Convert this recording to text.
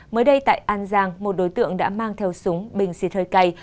mới đây tại an giang một đối tượng đã mang theo súng bình xịt hơi cay